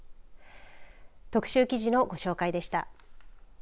特集記事のご紹介でした。